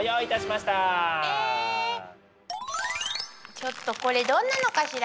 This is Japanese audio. ちょっとこれどんなのかしら